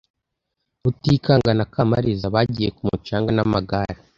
Rutikanga na Kamariza bagiye ku mucanga n'amagare.